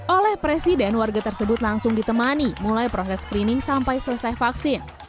oleh presiden warga tersebut langsung ditemani mulai proses screening sampai selesai vaksin